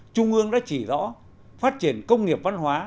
trung ương đã chỉ rõ phát triển công nghiệp văn hóa